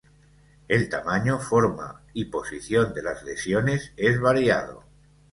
El tamaño, forma y posición de las lesiones es variado.